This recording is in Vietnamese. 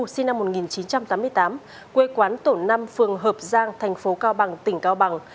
sinh năm một nghìn chín trăm tám mươi tám quê quán tổ năm phường hợp giang thành phố cao bằng tỉnh cao bằng